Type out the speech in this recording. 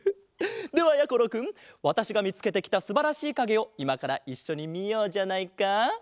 ではやころくんわたしがみつけてきたすばらしいかげをいまからいっしょにみようじゃないか。